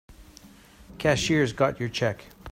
Cashier's got your check.